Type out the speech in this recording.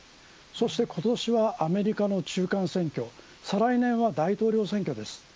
そして今年はアメリカの中間選挙再来年は大統領選挙です。